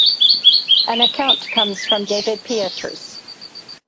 An account comes from David Pietersz.